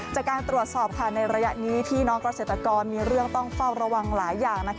จากการตรวจสอบในระยะนี้พี่น้องเกษตรกรมีเรื่องต้องเฝ้าระวังหลายอย่าง